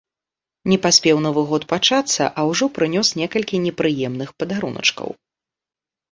Не паспеў новы год пачацца, а ўжо прынёс некалькі непрыемных падаруначкаў.